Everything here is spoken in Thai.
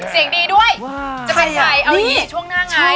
เสียงดีด้วยจะเป็นใครเอางี้ช่วงหน้าไง